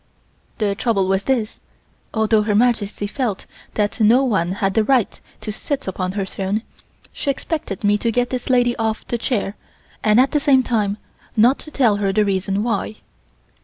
The trouble was this, although Her Majesty felt that no one had the right to sit upon her throne, she expected me to get this lady off the chair and at the same time not to tell her the reason why.